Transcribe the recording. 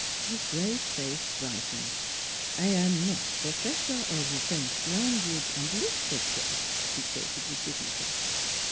His grave face brightened. " I am not professor of French language an' literature," he stated with dignity.